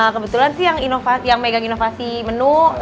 kebetulan sih yang inovasi yang megang inovasi menu